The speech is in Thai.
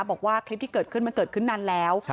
บอกว่าคลิปที่เกิดขึ้นมันเกิดขึ้นนานแล้ว